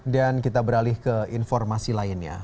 dan kita beralih ke informasi lainnya